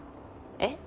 えっ？